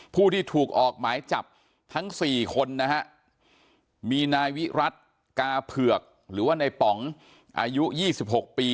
ผู้ที่ถูกออกหมายจับทั้ง๔คนนะฮะมีนายวิรัติกาเผือกหรือว่าในป๋องอายุ๒๖ปี